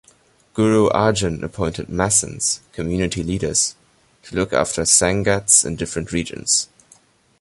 Guru Arjan appointed masands, community leaders, to look after sangats in different regions.